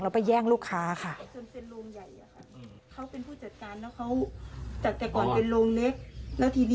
แล้วไปแย่งลูกค้าค่ะ